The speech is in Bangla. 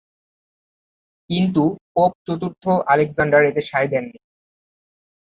কিন্তু পোপ চতুর্থ আলেক্সান্ডার এতে সায় দেননি।